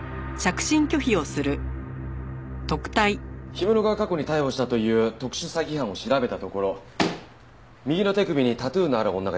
氷室が過去に逮捕したという特殊詐欺犯を調べたところ右の手首にタトゥーのある女がいました。